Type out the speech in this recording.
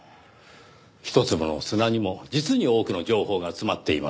一粒の砂にも実に多くの情報が詰まっています。